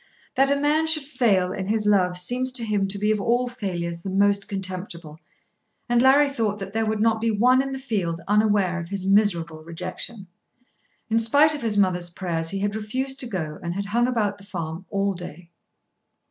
That a man should fail in his love seems to him to be of all failures the most contemptible, and Larry thought that there would not be one in the field unaware of his miserable rejection. In spite of his mother's prayers he had refused to go, and had hung about the farm all day.